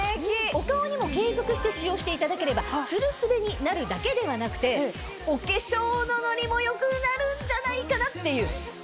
お顔にも継続して使用していただければツルスベになるだけではなくてお化粧のノリも良くなるんじゃないかなっていう。